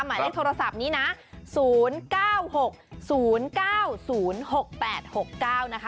หมายเลขโทรศัพท์นี้นะ๐๙๖๐๙๐๖๘๖๙นะคะ